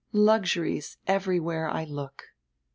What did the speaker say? Luxuries, everywhere I look."